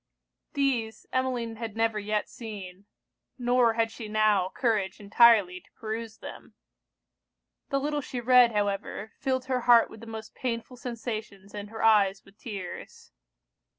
These, Emmeline had never yet seen; nor had she now courage entirely to peruse them. The little she read, however, filled her heart with the most painful sensations and her eyes with tears.